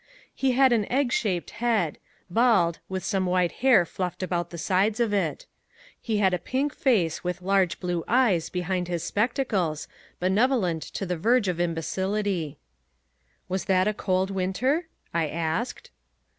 He had an egg shaped head, bald, with some white hair fluffed about the sides of it. He had a pink face with large blue eyes, behind his spectacles, benevolent to the verge of imbecility. "Was that a cold winter?" I asked.